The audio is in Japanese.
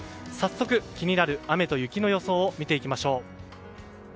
早速、気になる雨と雪の予想を見ていきましょう。